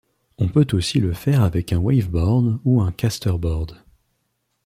On peut aussi le faire avec un waveboard ou un caster board.